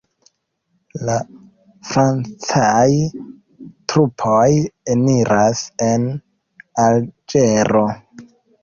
La francaj trupoj eniras en Alĝero.